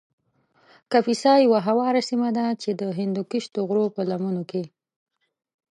کاپیسا یو هواره سیمه ده چې د هندوکش د غرو په لمنو کې